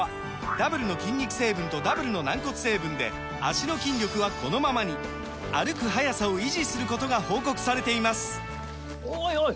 ダブルの筋肉成分とダブルの軟骨成分で脚の筋力はこのままに歩く速さを維持することが報告されていますおいおい！